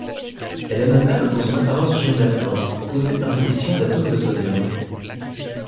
Elle est notable pour son apparence jaune intense, causée par l’émission d'atomes de sodium.